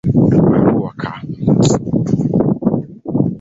Barua kwa Mt.